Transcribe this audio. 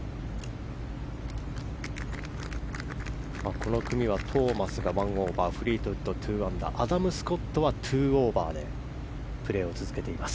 この組はトーマスが１オーバーフリートウッドが２アンダーアダム・スコットは２オーバーでプレーを続けています。